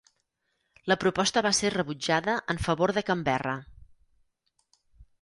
La proposta va ser rebutjada en favor de Canberra.